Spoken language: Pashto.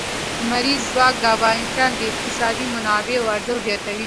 لمریز ځواک د افغانستان د اقتصادي منابعو ارزښت زیاتوي.